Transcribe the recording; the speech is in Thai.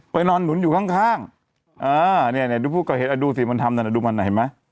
ไปนอนหนุนอยู่ข้างนี่พวกเขาเห็นดูสิมันทำดูมันเห็นไหม